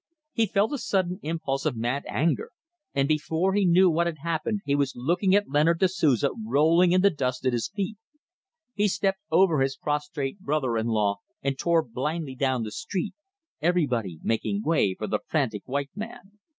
He felt a sudden impulse of mad anger, and before he knew what had happened he was looking at Leonard da Souza rolling in the dust at his feet. He stepped over his prostrate brother in law and tore blindly down the street, everybody making way for the frantic white man.